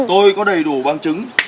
tôi có đầy đủ bằng chứng